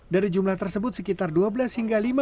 dari jumlah tersebut sekitar dua belas hingga lima belas